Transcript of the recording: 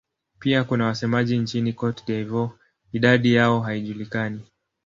Pia kuna wasemaji nchini Cote d'Ivoire; idadi yao haijulikani.